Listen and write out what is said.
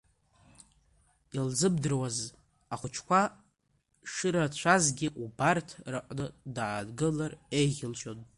Илзымдыруаз ахәыҷқәа шырацәазгьы убарҭ рыҟны даангылар еиӷьылшьон.